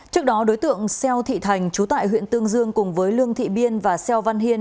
trước đó đối tượng seo thị thành chú tại huyện tương dương cùng với lương thị biên và seo văn hiên